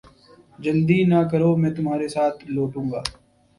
جلدی نہ کرو میں تمھارے ساتھ لوٹوں گا